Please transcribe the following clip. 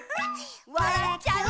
「わらっちゃう」